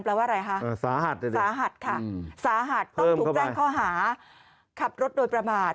แปลว่าอะไรฮะสาหัสค่ะต้องถูกแจ้งข้อหาขับรถโดยประมาท